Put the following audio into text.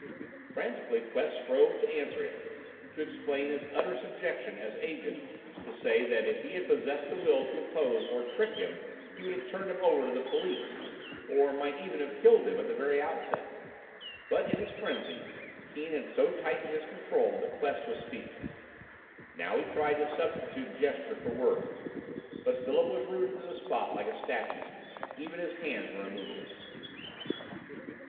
Frantically Quest strove to answer him, to explain his utter subjection, as Agent, to say that if he had possessed the will to oppose or trick him he would have turned him over to the police, or might even have killed him, at the very outset. But in his frenzy, Keane had so tightened his control that Quest was speechless. Now he tried to substitute gesture for words, but Philip was rooted to the spot like a statue; even his hands were immovable.